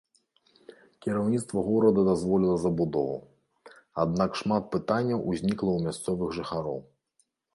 Кіраўніцтва горада дазволіла забудову, аднак шмат пытанняў узнікла ў мясцовых жыхароў.